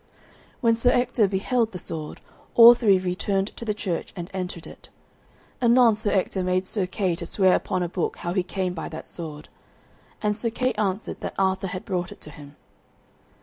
When Sir Ector beheld the sword, all three returned to the church and entered it. Anon Sir Ector made Sir Kay to swear upon a book how he came by that sword. And Sir Kay answered that Arthur had brought it to him.